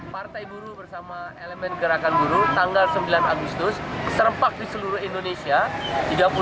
partai buruh bersama elemen gerakan buruh tanggal sembilan agustus serempak di seluruh indonesia